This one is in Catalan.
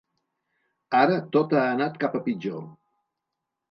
Ara tot ha anat cap a pitjor.